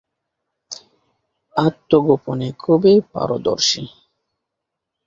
আত্মগোপনে খুবই পারদর্শী।